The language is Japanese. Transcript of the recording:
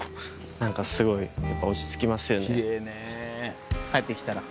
何かすごいやっぱ落ち着きますよね。